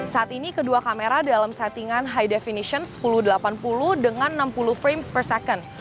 saat ini kedua kamera dalam settingan high definition sepuluh delapan puluh dengan enam puluh frames per second